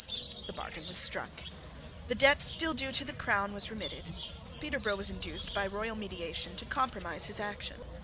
The bargain was struck. The debt still due to the crown was remitted. Peterborough was induced, by royal mediation, to compromise his action.